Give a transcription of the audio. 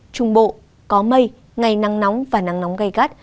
trung bộ có mây ngày nắng nóng và nắng nóng gai gắt